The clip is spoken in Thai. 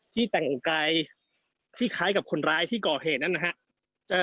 แต่งกายที่คล้ายกับคนร้ายที่ก่อเหตุนั้นนะครับ